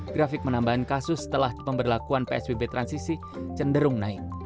grafik penambahan kasus setelah pemberlakuan psbb transisi cenderung naik